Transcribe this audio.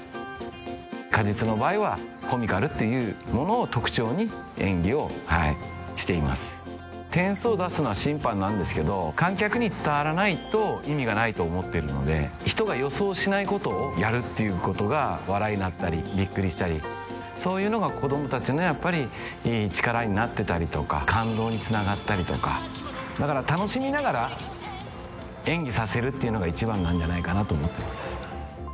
鹿実の場合はコミカルっていうものを特徴に演技をはいしています点数を出すのは審判なんですけど観客に伝わらないと意味がないと思ってるので人が予想しないことをやるっていうことが笑いになったりビックリしたりそういうのが子供達のやっぱりいい力になってたりとか感動につながったりとかだから楽しみながら演技させるっていうのが一番なんじゃないかなと思ってます